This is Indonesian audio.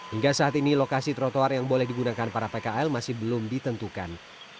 hingga saat ini lokasi trotoar yang boleh digunakan para pkl masih belum ditentukan